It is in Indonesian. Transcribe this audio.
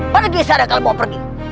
pada gini saya akan bawa pergi